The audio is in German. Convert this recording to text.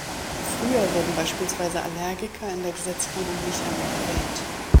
Früher wurden beispielsweise Allergiker in der Gesetzgebung nicht einmal erwähnt.